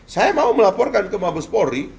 saya mau melaporkan ke mabespori